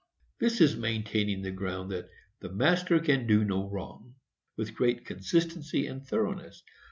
This is maintaining the ground that "the master can do no wrong" with great consistency and thoroughness.